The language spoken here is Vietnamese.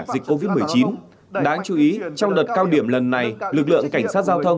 dịch covid một mươi chín đáng chú ý trong đợt cao điểm lần này lực lượng cảnh sát giao thông